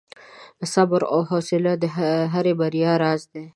• صبر او حوصله د هرې بریا راز دی.